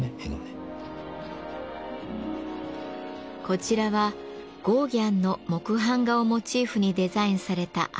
こちらはゴーギャンの木版画をモチーフにデザインされたアロハ。